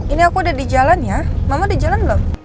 ini aku udah di jalan ya mama di jalan belum